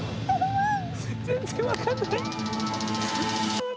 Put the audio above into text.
全然分かんない。